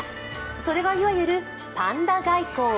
それが、いわゆるパンダ外交。